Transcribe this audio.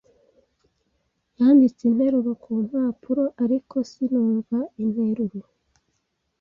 Yanditse interuro ku mpapuro, ariko sinumva interuro.